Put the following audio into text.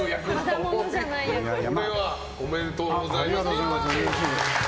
おめでとうございます。